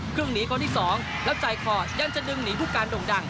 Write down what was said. พึ่งหนีเหตุที่๒แล้วใจคอยั้นจะดึงหนีฟุการ์ดงดั่ง